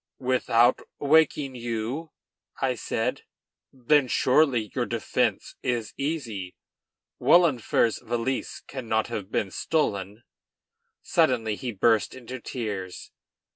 "Without awaking you?" I said. "Then surely your defence is easy; Wahlenfer's valise cannot have been stolen." Suddenly he burst into tears.